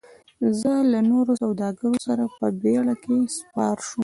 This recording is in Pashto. زه له نورو سوداګرو سره په بیړۍ کې سپار شوم.